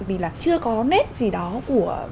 vì là chưa có nết gì đó của